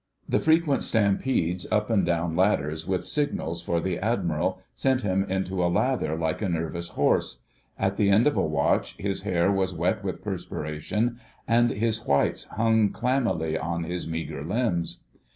The frequent stampedes up and down ladders with signals for the Admiral sent him into a lather like a nervous horse; at the end of a watch his hair was wet with perspiration and his whites hung clammily on his meagre limbs.